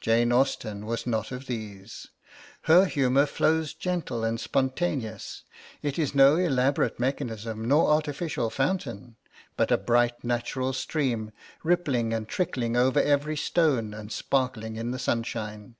Jane Austen was not of these; her humour flows gentle and spontaneous; it is no elaborate mechanism nor artificial fountain, but a bright natural stream, rippling and trickling over every stone and sparkling in the sunshine.